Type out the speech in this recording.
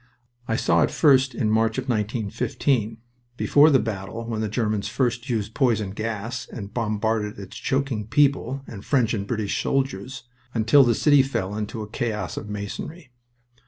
I saw it first in March of 1915, before the battle when the Germans first used poison gas and bombarded its choking people, and French and British soldiers, until the city fell into a chaos of masonry.